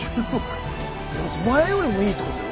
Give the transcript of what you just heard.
前よりもいいってことだよ。